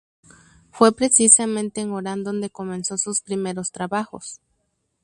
Fue precisamente en Orán donde comenzó sus primeros trabajos.